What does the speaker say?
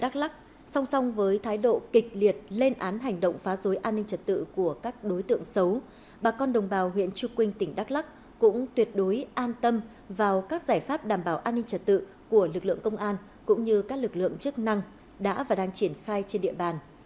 đắk lắc song song với thái độ kịch liệt lên án hành động phá dối an ninh trật tự của các đối tượng xấu bà con đồng bào huyện trư quynh tỉnh đắk lắc cũng tuyệt đối an tâm vào các giải pháp đảm bảo an ninh trật tự của lực lượng công an cũng như các lực lượng chức năng đã và đang triển khai trên địa bàn